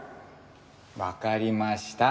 わかりました。